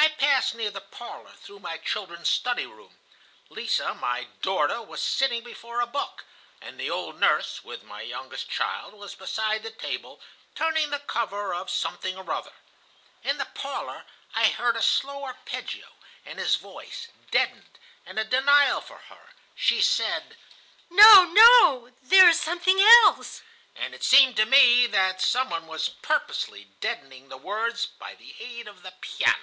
"I passed near the parlor, through my children's study room. Lise, my daughter, was sitting before a book, and the old nurse, with my youngest child, was beside the table, turning the cover of something or other. In the parlor I heard a slow arpeggio, and his voice, deadened, and a denial from her. She said: 'No, no! There is something else!' And it seemed to me that some one was purposely deadening the words by the aid of the piano.